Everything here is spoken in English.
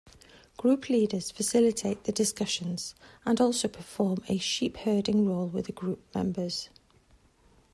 Group Leaders facilitate the discussions, and also perform a shepherding role with group members.